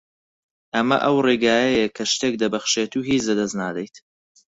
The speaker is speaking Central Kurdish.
ئەمە ئەو ڕێگایەیە کە شتێک دەبەخشیت و هیچ لەدەست نادەیت